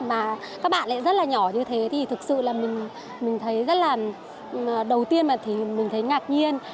mà các bạn lại rất là nhỏ như thế thì thực sự là mình thấy rất là đầu tiên mà mình thấy ngạc nhiên